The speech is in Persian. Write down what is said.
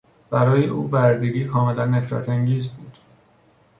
برای او بردگی کاملا نفرتانگیز بود.